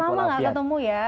selama gak ketemu ya